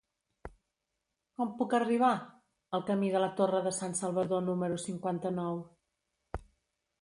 Com puc arribar al camí de la Torre de Sansalvador número cinquanta-nou?